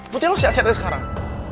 berarti lo siap siap aja sekarang